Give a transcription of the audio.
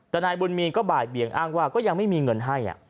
แต่นายบุญมีนก็บ่ายเบียงอ้างว่าก็ยังไม่มีเงินให้